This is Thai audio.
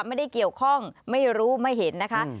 ไม่ได้เกี่ยวข้องไม่รู้ไม่เห็นนะคะ